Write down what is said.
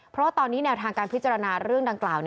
เพราะว่าตอนนี้แนวทางการพิจารณาเรื่องดังกล่าว